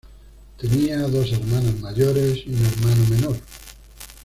Tenía dos hermanas mayores y un hermano menor.